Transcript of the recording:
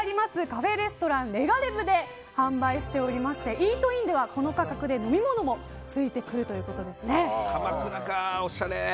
カフェレストランレガレヴで販売しておりましてイートインではこの価格で飲み物もついてくるということです。